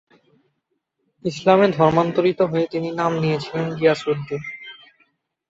ইসলামে ধর্মান্তরিত হয়ে তিনি নাম নিয়েছিলেন গিয়াস-উদ-দ্বীন।